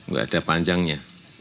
tidak ada panjangnya